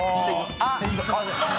あっ！